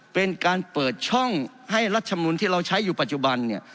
เป็นการเปิดช่องให้รัฐมนุนที่เราใช้อยู่ปัจจุบันเนี่ย